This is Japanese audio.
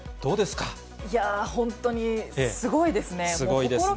いやぁ、本当にすごいですね。